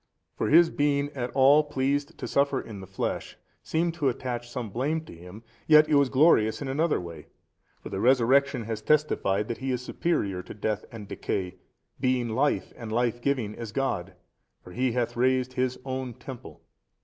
For His being at all pleased to suffer in the flesh seemed to attach some blame to Him, yet it was glorious in another way: for the Resurrection has testified that He is superior to death and decay, being Life and Lifegiving as God, for He hath raised His own Temple.